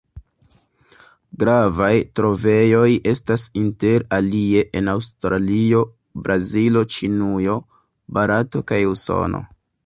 Gravaj trovejoj estas inter alie en Aŭstralio, Brazilo, Ĉinujo, Barato kaj Usono.